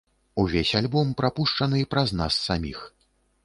Увесь альбом прапушчаны праз нас саміх.